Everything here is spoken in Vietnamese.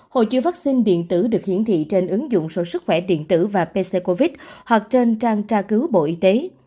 hộ chiếu vaccine điện tử được hiển thị trên ứng dụng sổ sức khỏe điện tử và pc covid hoặc trên trang tra cứu bộ y tế